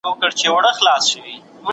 په یو ترڅ کي یې ترې وکړله پوښتنه